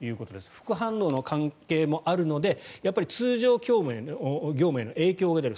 副反応の関係もあるので通常業務への影響が出る。